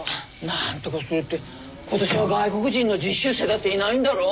なんとかするって今年は外国人の実習生だっていないんだろ？